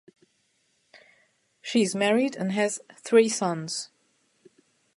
She is married and has three sons.